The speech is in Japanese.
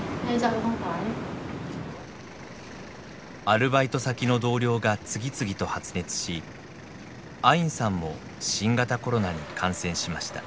アルバイト先の同僚が次々と発熱しアインさんも新型コロナに感染しました。